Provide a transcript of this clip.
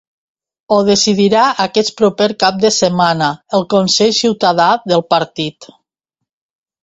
Ho decidirà aquest proper cap de setmana el consell ciutadà del partit.